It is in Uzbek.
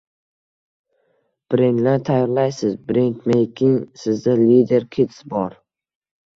Brendlar tayyorlaysiz – brenmeyking, sizda «Lider kids» bor.